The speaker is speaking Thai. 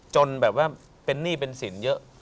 แบบว่าเป็นหนี้เป็นสินเยอะ